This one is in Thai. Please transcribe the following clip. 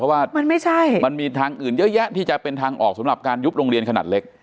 เพราะว่ามันไม่ใช่มันมีทางอื่นเยอะแยะที่จะเป็นทางออกสำหรับการยุบโรงเรียนขนาดเล็ก